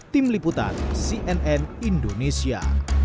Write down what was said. tim liputan cnn indonesia